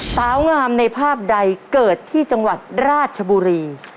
สาวงามในภาพใดเกิดที่จังหวัดราชบุรี